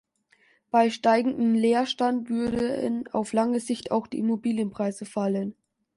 Bei steigendem Leerstand würden auf lange Sicht auch die Immobilienpreise fallen.